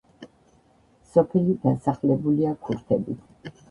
სოფელი დასახლებულია ქურთებით.